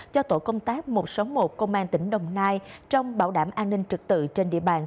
cho tổ công tác một trăm sáu mươi một công an tỉnh đồng nai trong bảo đảm an ninh trực tự trên địa bàn